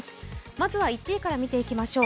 まずは１位から見ていきましょう。